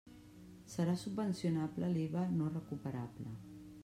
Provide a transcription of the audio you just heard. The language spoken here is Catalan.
Serà subvencionable l'IVA no recuperable.